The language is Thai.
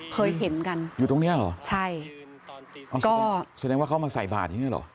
เคยเห็นกันใช่ก็สมมติว่าเขามาใส่บาทอย่างนั้นหรอ